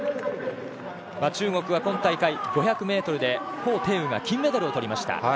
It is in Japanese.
中国は今大会５００ｍでコウ・テイウが金メダルをとりました。